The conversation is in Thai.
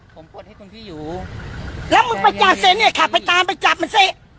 ผมปลดให้คุณพี่อยู่แล้วมึงไปจับเสร็จเนี่ยขับไปตามไปจับมันสิ